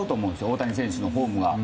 大谷選手のフォームが。